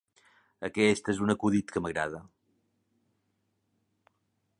Aquest és un acudit que m'agrada.